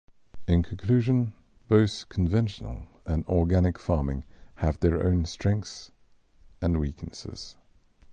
In conclusion, both conventional and organic farming have their own strengths and weaknesses.